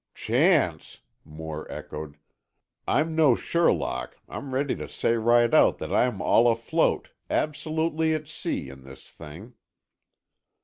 "Chance!" Moore echoed. "I'm no Sherlock, I'm ready to say right out that I'm all afloat, absolutely at sea, in this thing."